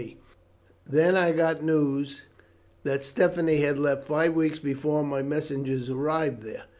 I waited ten days, then I got news that Stephanie had left five weeks before my messengers arrived there.